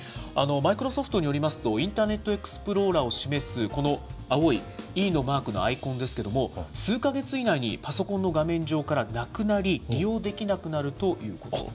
マイクロソフトによりますと、インターネットエクスプローラーを示す、この青いｅのマークのアイコンですけれども、数か月以内にパソコンの画面上からなくなり、そうなんですか。